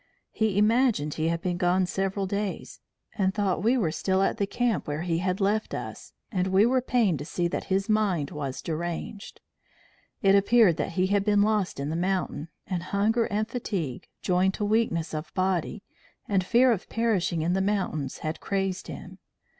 He imagined he had been gone several days, and thought we were still at the camp where he had left us; and we were pained to see that his mind was deranged. It appeared that he had been lost in the mountain, and hunger and fatigue, joined to weakness of body, and fear of perishing in the mountains had crazed him.